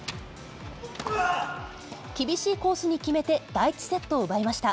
厳しいコースに決めて、第１セットを奪いました。